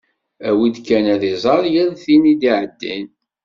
Awi-d kan ad iẓer yal tin i d-iɛeddin.